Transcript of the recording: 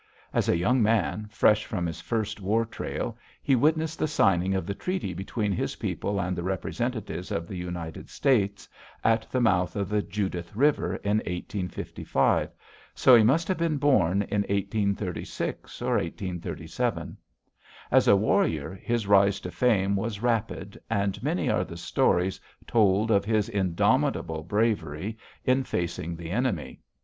As a young man, fresh from his first war trail, he witnessed the signing of the treaty between his people and the representatives of the United States, at the mouth of the Judith River, in 1855, so he must have been born in 1836 or 1837. As a warrior, his rise to fame was rapid, and many are the stories told of his indomitable bravery in facing the enemy.